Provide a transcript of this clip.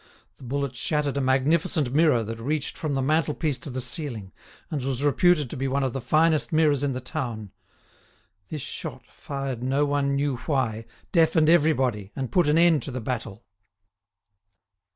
The bullet shattered a magnificent mirror that reached from the mantelpiece to the ceiling, and was reputed to be one of the finest mirrors in the town. This shot, fired no one knew why, deafened everybody, and put an end to the battle.